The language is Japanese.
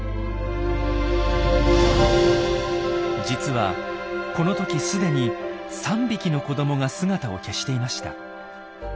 実はこの時既に３匹の子どもが姿を消していました。